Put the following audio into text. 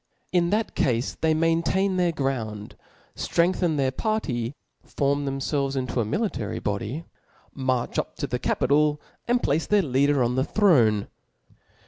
in that cafe they maintain their ground, ftrengthen their party, form thcmfclves into a military body, march up to the capital, and place their leader on the throne.